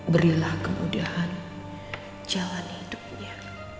berilah kemudahan jalan hidupnya